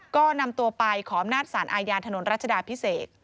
ก็นำตัวไปขออำนาจสารอาญาถนนรัชดาพิเศษ